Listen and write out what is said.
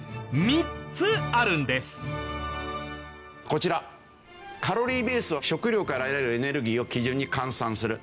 こちらカロリーベースは食料から得られるエネルギーを基準に換算する。